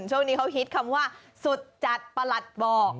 ช่วงนี้เขาฮิตคำว่าสุดจัดประหลัดบอก